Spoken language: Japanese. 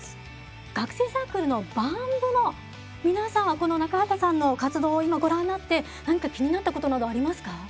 学生サークルのＢＡＭ部の皆さんはこの中畑さんの活動を今ご覧になって何か気になったことなどありますか？